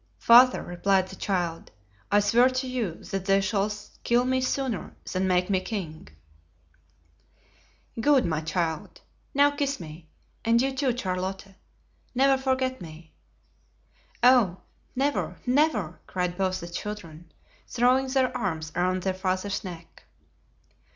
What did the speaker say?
"Father," replied the child, "I swear to you that they shall kill me sooner than make me king." "Good, my child. Now kiss me; and you, too, Charlotte. Never forget me." "Oh! never, never!" cried both the children, throwing their arms around their father's neck.